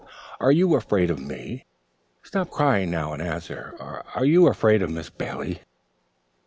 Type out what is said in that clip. "Are you afraid of me? Stop crying now and answer. Are you afraid of Miss Bailey?"